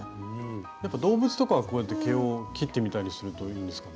やっぱ動物とかはこうやって毛を切ってみたりするといいんですかね。